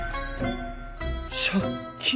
借金？